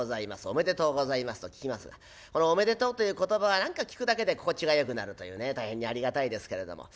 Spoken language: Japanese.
「おめでとうございます」と聞きますがこの「おめでとう」という言葉は何か聞くだけで心地がよくなるというね大変にありがたいですけれども。